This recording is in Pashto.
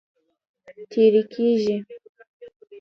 تېری کیږي.